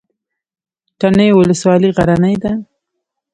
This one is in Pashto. تڼیو ولسوالۍ غرنۍ ده؟